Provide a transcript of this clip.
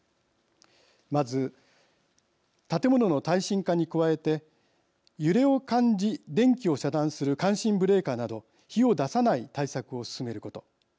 まず建物の耐震化に加えて揺れを感じ、電気を遮断する感震ブレーカーなど火を出さない対策を進めること